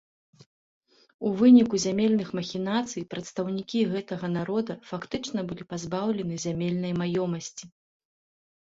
У выніку зямельных махінацый прадстаўнікі гэтага народа фактычна былі пазбаўлены зямельнай маёмасці.